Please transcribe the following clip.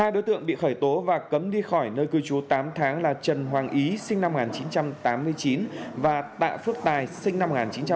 ba đối tượng bị khởi tố và cấm đi khỏi nơi cư trú tám tháng là trần hoàng ý sinh năm một nghìn chín trăm tám mươi chín và tạ phước tài sinh năm một nghìn chín trăm tám mươi